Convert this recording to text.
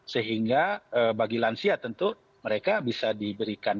sehingga bagi lansia tentu mereka bisa diberikan